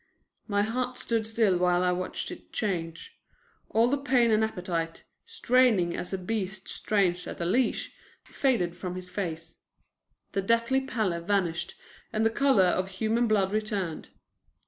My heart stood still while I watched it change. All the pain and appetite, straining as a beast strains at a leash, faded from his face. The deathly pallor vanished and the color of human blood returned.